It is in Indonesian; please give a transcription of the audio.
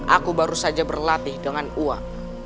aku baru saja berlatih dengan uang